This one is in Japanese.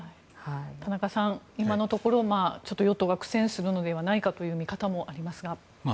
田中さん、今のところ与党が苦戦するのではないかという見方もありますが。